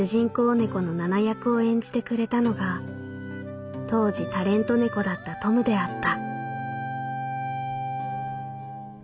猫のナナ役を演じてくれたのが当時タレント猫だったトムであった」。